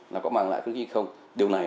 nó có mang lại khuyến khích không điều này